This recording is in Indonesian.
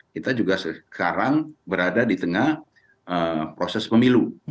kita juga sekarang berada di tengah proses pemilu